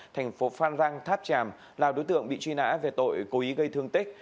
thành phố phan rang tháp tràm là đối tượng bị truy nã về tội cố ý gây thương tích